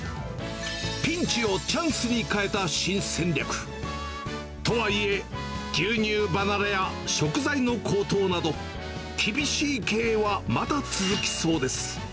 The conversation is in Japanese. ピンチをチャンスに変えた新戦略。とはいえ、牛乳離れや食材の高騰など、厳しい経営はまだ続きそうです。